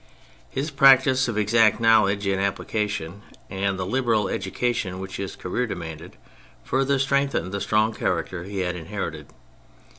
His practice of exact knowledge in application, and the liberal education which his career demanded, further strengthened the strong character he had inherited.